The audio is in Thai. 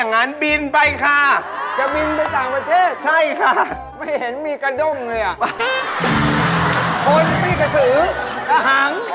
วาวถ้าบินค่ะจะบินไปต่างประเทศใช่ค่ะไม่เห็นมีกระด้มเลยอะเหมือนมีกระสืร